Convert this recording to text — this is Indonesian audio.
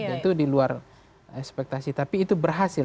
tentu di luar ekspektasi tapi itu berhasil